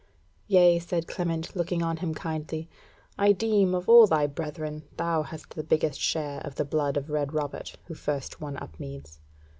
"Yea," said Clement, looking on him kindly, "I deem of all thy brethren thou hast the biggest share of the blood of Red Robert, who first won Upmeads.